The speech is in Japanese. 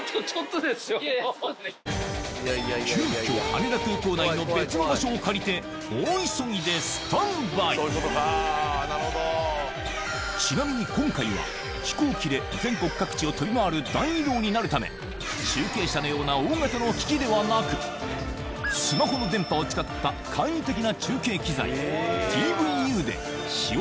急きょ羽田空港内の別の場所を借りて大急ぎでスタンバイちなみに今回は飛行機で全国各地を飛び回る大移動になるため中継車のような大型の機器ではなく故にように。を積んでったんですよ。